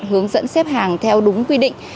hướng dẫn xếp hàng theo đúng quy định